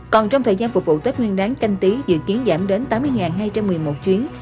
còn trong thời gian phục vụ tết nguyên đáng canh tí dự kiến giảm đến tám mươi hai trăm một mươi một chuyến